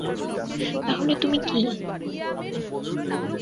তাহলে তুমি কি?